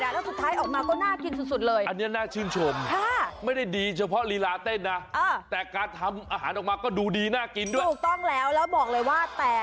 น้องตาแข่งกินทุเรียนแล้วมาแข่งกินส้มโอกันหน่อยดีกว่า